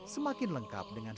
semakin lengkap dengan